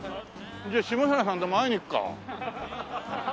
じゃあ下平さんにでも会いにいくか。